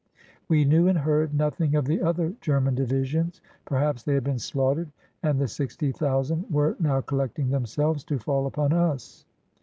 We knew and heard nothing of the other German divisions. Perhaps they had been slaughtered and the sixty thou sand were now collecting themselves to fall upon us.